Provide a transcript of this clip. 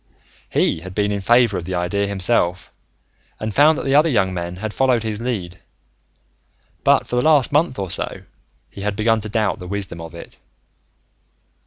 He had been in favor of the idea himself and found that the other young men had followed his lead. But, for the last month or so, he had begun to doubt the wisdom of it.